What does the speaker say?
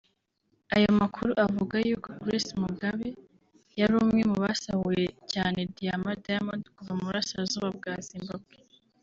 Ayo makuru avuga yuko Grace Mugabe yari umwe mu basahuye cyane diama (diamond) kuva mu burasirazuba bwa Zimbabwe